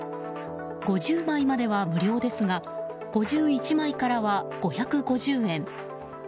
５０枚までは無料ですが５１枚からは５５０円。